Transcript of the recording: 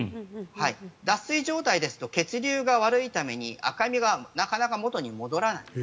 脱水状態ですと血流が悪いために赤みがなかなか元に戻らない。